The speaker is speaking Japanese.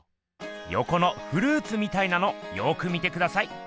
よこのフルーツみたいなのよく見てください。